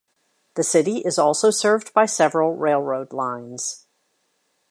The city is also served by several railroad lines.